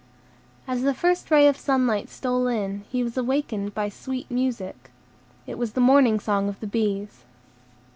As the first ray of sunlight stole in, he was awakened by sweet music. It was the morning song of the bees.